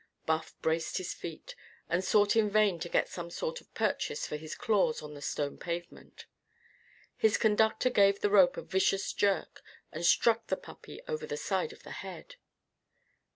Buff braced his feet and sought in vain to get some sort of purchase for his claws on the stone pavement. His conductor gave the rope a vicious jerk and struck the puppy over the side of the head.